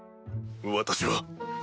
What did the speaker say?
私は。